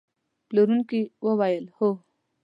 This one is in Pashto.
پلورونکي وویل: هو.